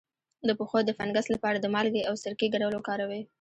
د پښو د فنګس لپاره د مالګې او سرکې ګډول وکاروئ